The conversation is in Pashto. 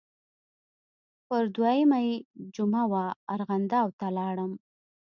پر دویمه یې جمعه وه ارغنداو ته لاړم.